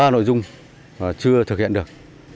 ba nội dung chưa thực hiện được